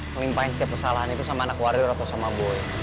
melimpahin setiap kesalahan itu sama anak warior atau sama boy